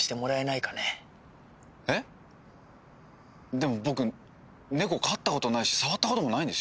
でも僕猫飼ったことないし触ったこともないんですよ。